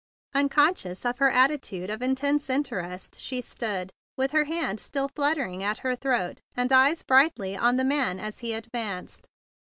Unconscious of her attitude of in¬ tense interest she stood with hand still fluttering at her throat, and eyes brightly on the man as he advanced.